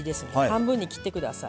半分に切ってください。